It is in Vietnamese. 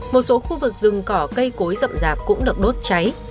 một số khu vực rừng cỏ cây cối rậm rạp cũng được đốt cháy